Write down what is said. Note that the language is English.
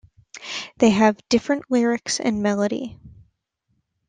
They have different lyrics and melody.